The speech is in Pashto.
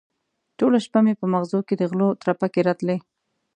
ټوله شپه مې په مغزو کې د غلو ترپکې راتلې.